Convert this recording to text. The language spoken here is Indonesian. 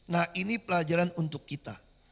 nah ini pelajaran untuk kita